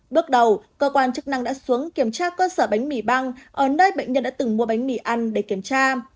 bước đầu cơ quan chức năng đã xuống kiểm tra cơ sở bánh mì băng ở nơi bệnh nhân đã từng mua bánh mì ăn để kiểm tra